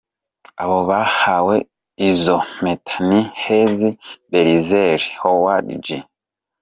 Abo bahawe izo mpeta ni Hezi Bezaleli, Howadi Gi.